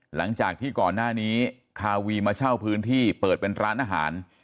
หลังจากที่ก่อนหน้านี้คาวีมาเช่าพื้นที่เปิดเป็นร้านอาหาร